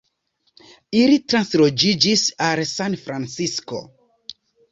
Ili transloĝiĝis al Sanfrancisko.